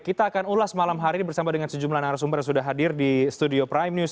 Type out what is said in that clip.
kita akan ulas malam hari ini bersama dengan sejumlah narasumber yang sudah hadir di studio prime news